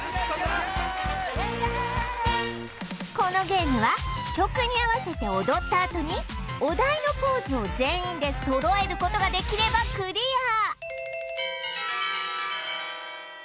このゲームは曲に合わせて踊ったあとにお題のポーズを全員で揃えることができればクリア